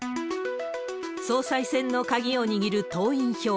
総裁選の鍵を握る党員票。